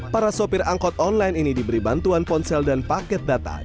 para sopir angkot online ini diberi bantuan ponsel dan paket data